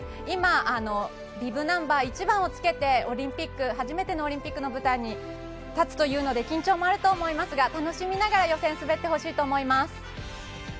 今、ビブナンバー１番を着けて初めてのオリンピックの舞台に立つというので緊張もあると思いますが楽しみながら予選を滑ってほしいと思います。